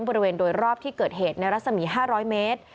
บริเวณโดยรอบที่เกิดเหตุในรัศมี๕๐๐เมตร